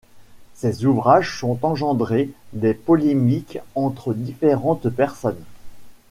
Ces ouvrages ont engendré des polémiques entre différentes personnes.